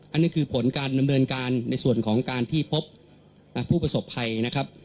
อันนี้คือผลการดำเนินการในส่วนของการที่พบผู้ประสบภัยนะครับ